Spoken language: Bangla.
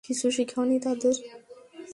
কিছু শিখাওনি তাদের?